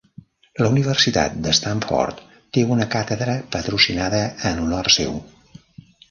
La universitat d'Stanford té una càtedra patrocinada en honor seu.